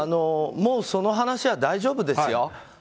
もう、その話は大丈夫ですよ。